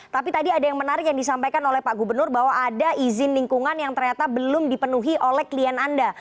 tapi tadi ada yang menarik yang disampaikan oleh pak gubernur bahwa ada izin lingkungan yang ternyata belum dipenuhi oleh klien anda